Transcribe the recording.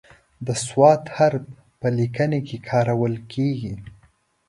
د "ص" حرف په لیکنه کې کارول کیږي.